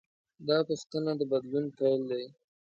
دا پوښتنه د بدلون پیل دی.